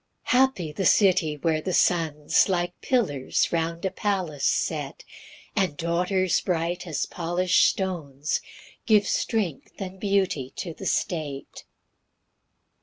1 Happy the city, where their sons Like pillars round a palace set, And daughters bright as polish'd stones Give strength and beauty to the state.